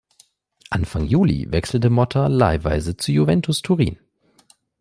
Anfang Juli wechselte Motta leihweise zu Juventus Turin.